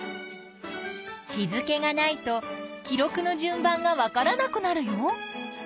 日付がないと記録の順番がわからなくなるよ。